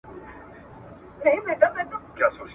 هیڅوک خپلو ټولو هیلو ته نه رسیږي.